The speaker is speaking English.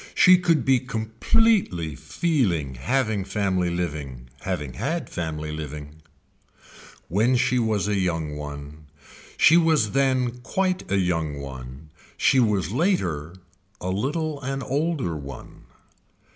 She could be completely feeling having family living, having had family living. She was then a young one, she was then quite a young one, she was later a little an older one.